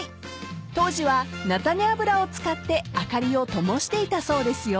［当時は菜種油を使って明かりを灯していたそうですよ］